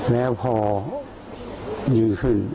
แล้วพอยิงขึ้น